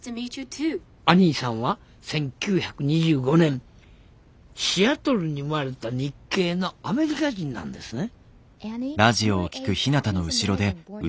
アニーさんは１９２５年シアトルに生まれた日系のアメリカ人なんですね？